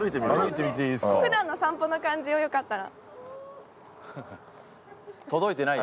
ふだんの散歩の感じをよかったら。